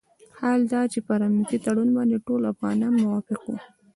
حال دا چې پر امنیتي تړون باندې ټول افغانان موافق وو.